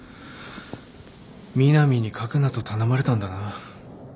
美波に書くなと頼まれたんだな。